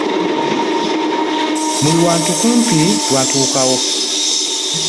Buli wamu kumpi twatuukawo.